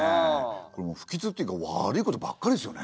これ不吉っていうか悪いことばっかりですよね。